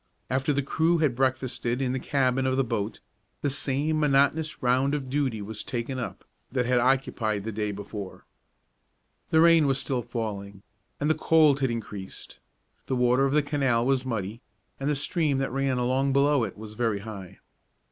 After the crew had breakfasted in the cabin of the boat, the same monotonous round of duty was taken up that had occupied the day before. Rain was still falling, and the cold had increased. The water of the canal was muddy, and the stream that ran along below it was very high.